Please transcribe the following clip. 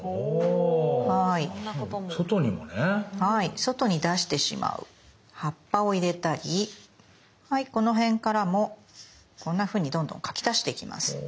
外に出してしまう葉っぱを入れたりこの辺からもこんなふうにどんどん描き足していきます。